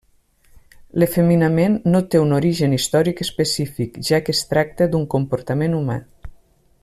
L'efeminament no té un origen històric específic, ja que es tracta d'un comportament humà.